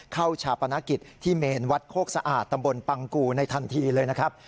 ชาปนกิจที่เมนวัดโคกสะอาดตำบลปังกูในทันทีเลยนะครับ